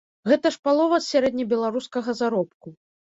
Гэта ж палова сярэднебеларускага заробку.